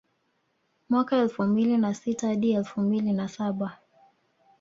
Mwaka elfu mbili na sita hadi elfu mbili na saba